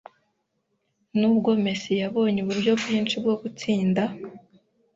N'ubwo Messi yabonye uburyo bwinshi bwo gutsinda,